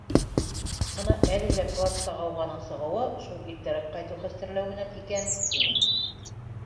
Бына әле лә класта ғауғаның сығыуы шул иртәрәк ҡайтыу хәстәрләүенән икән тине.